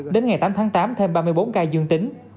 đến ngày tám tháng tám thêm ba mươi bốn ca dương tính